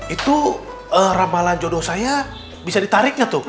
itu ramalan jodoh saya bisa ditariknya tuh